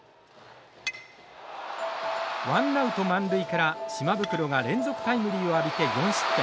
ワンナウト満塁から島袋が連続タイムリーを浴びて４失点。